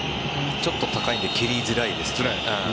ちょっと高いんで蹴りづらいです。